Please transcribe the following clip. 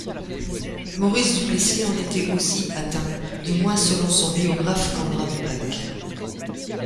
Maurice Duplessis en était aussi atteint, du moins selon son biographe Conrad Black.